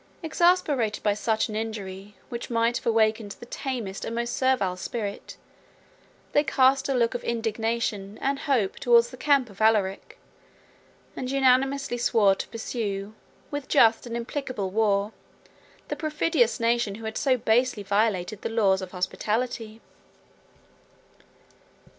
Exasperated by such an injury, which might have awakened the tamest and most servile spirit, they cast a look of indignation and hope towards the camp of Alaric, and unanimously swore to pursue, with just and implacable war, the perfidious nation who had so basely violated the laws of hospitality.